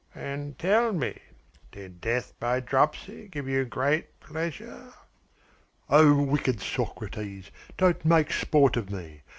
"Then tell me did death by dropsy give you great pleasure?" "Oh, wicked Socrates, don't make sport of me.